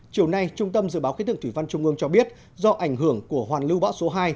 chiều nay trung tâm dự báo khí tượng thủy văn trung ương cho biết do ảnh hưởng của hoàn lưu bão số hai